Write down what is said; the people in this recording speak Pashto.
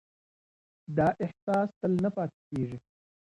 دا احساس تل نه پاتې کېږي.